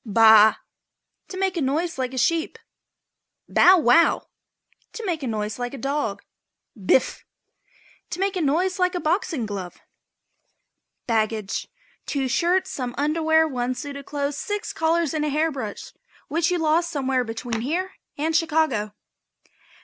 ###BAA. To make a noise like a sheep. BOW WOW. To make a noise like a dog. BIFF. To make a noise like a boxing glove. BAGGAGE. Two shirts, some underwear, one suit of clothes, six collars and a hair brush which you lost somewhere between here and Chicago.